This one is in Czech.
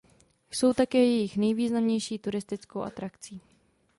Jsou také jejich nejvýznamnější turistickou atrakcí.